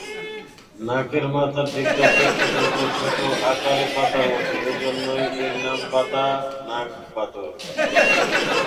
নাকের মাথার দিকটা দেখতে কিছুটা ছোট আকারের পাতার মতো, এ জন্যই এর নাম পাতা-নাক বাদুড়।